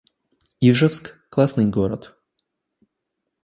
Ижевск — классный город